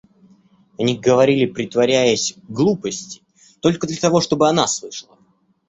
Они говорили, притворяясь, глупости, только для того, чтобы она слышала.